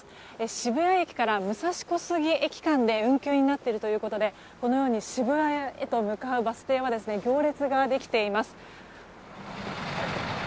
渋谷駅から武蔵小杉駅間で運休になっているということでこのように渋谷へと向かうバス停は行列ができています。